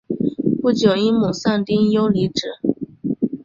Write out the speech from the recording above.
不久因母丧丁忧离职。